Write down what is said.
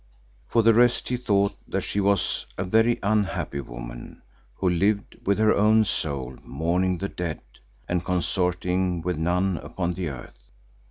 For the rest he thought that she was a very unhappy woman who "lived with her own soul mourning the dead" and consorting with none upon the earth.